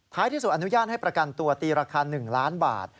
ที่สุดอนุญาตให้ประกันตัวตีราคา๑ล้านบาท